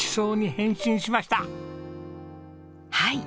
はい。